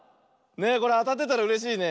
これあたってたらうれしいね。